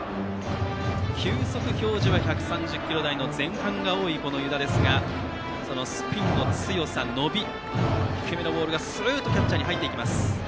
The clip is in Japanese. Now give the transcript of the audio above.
球速表示は１３０キロ台の前半が多い湯田ですがスピンの強さ、伸び低めのボールが、すーっとキャッチャーに入っていきます。